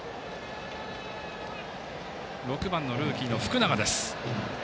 ６番、ルーキーの福永です。